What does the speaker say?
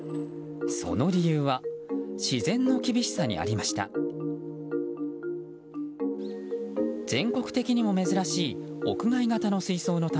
その理由は自然の厳しさにありました。